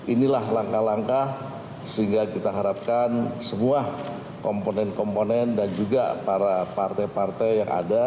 inilah langkah langkah sehingga kita harapkan semua komponen komponen dan juga para partai partai yang ada